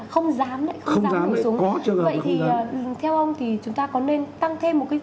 không dám lại không dám nổi xuống vậy thì theo ông thì chúng ta có nên tăng thêm